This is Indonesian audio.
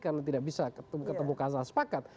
karena tidak bisa ketemu kasal sepakat